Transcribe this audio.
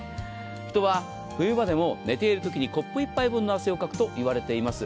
人は冬場でも寝ているときにコップ一杯分の汗をかくといわれています。